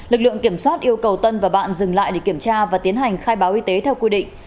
lực lượng kiểm soát yêu cầu tân và bạn dừng lại để kiểm tra và tiến hành khai báo y tế theo quy định